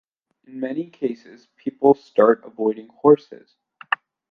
In many cases, people start avoiding horses.